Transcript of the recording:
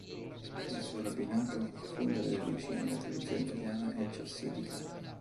Il suo rabbinato affonda le radici nella tradizione italiana e chassidica.